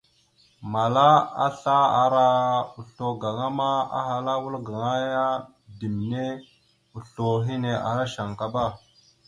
Mala asla ara oslo gaŋa ma ahala a wal gaŋa ya ɗimne oslo hine ara shankaba.